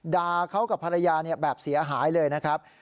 ด่าเขากับภรรยาแบบเสียหายเลยนะครับ